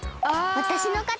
わたしのかち！